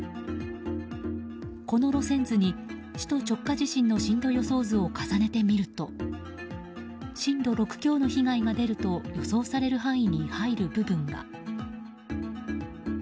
この路線図に首都直下地震の震度予想図を重ねてみると震度６強の被害が出ると予想される範囲に入る部分が。